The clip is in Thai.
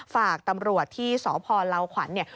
ฝากตำรวจที่สพลาวขวัญเนี่ย